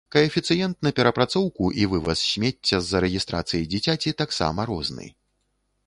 Каэфіцыент на перапрацоўку і вываз смецця з-за рэгістрацыі дзіцяці таксама розны.